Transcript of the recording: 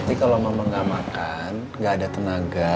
tapi kalau mama gak makan gak ada tenaga